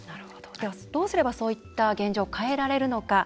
では、どうすればそういった現状を変えられるのか。